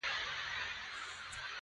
ما سمدستي ومنله.